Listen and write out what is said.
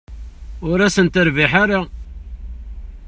Ur asen-terbiḥ ara.